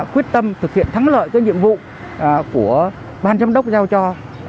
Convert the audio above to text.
quyết tâm thực hiện thắng lợi nhiệm vụ của ban chám đốc giao cho